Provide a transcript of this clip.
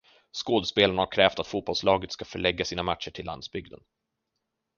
Skådespelarna har krävt att fotbollslaget ska förlägga sina matcher till landsbygden.